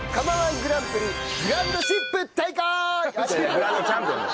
グランドチャンピオンね。